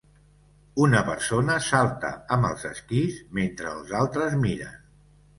Una persona salta amb els esquís mentre els altres miren.